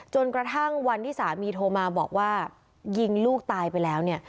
จนกระทั่งวันที่สามีโทรมาบอกว่ายิงลูกตายไปแล้วเนี่ย